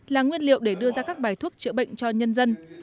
là nguyên liệu để đưa ra các bài thuốc chữa bệnh cho nhân dân